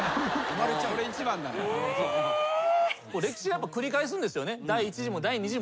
歴史は繰り返すんですよね。